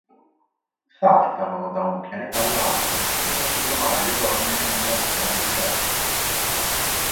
Saltano da un pianeta all'altro prima di trovare le donne nella sfera desertica.